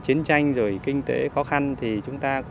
khi đó thì ở viện khẩu cổ bảo tàng lịch sử